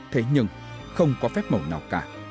thế nhưng không có phép màu nào cả